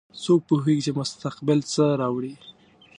څوک پوهیږي چې مستقبل څه راوړي